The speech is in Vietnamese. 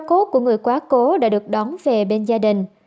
trò cố của người quá cố đã được đón về bên gia đình